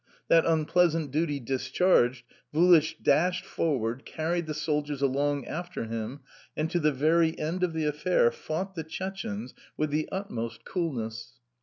That unpleasant duty discharged, Vulich dashed forward, carried the soldiers along after him, and, to the very end of the affair, fought the Chechenes with the utmost coolness.